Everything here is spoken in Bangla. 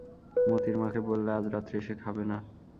মোতির মাকে বললে, আজ রাত্রে সে খাবে না।